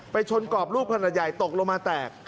ชนกรอบลูกขนาดใหญ่ตกลงมาแตก